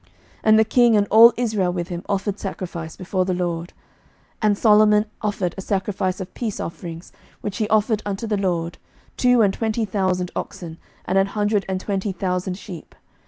11:008:062 And the king, and all Israel with him, offered sacrifice before the LORD. 11:008:063 And Solomon offered a sacrifice of peace offerings, which he offered unto the LORD, two and twenty thousand oxen, and an hundred and twenty thousand sheep.